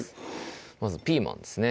まずピーマンですね